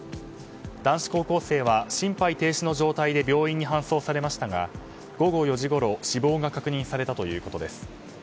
男子高校生は心肺停止の状態で病院に搬送されましたが午後４時ごろ死亡が確認されたということです。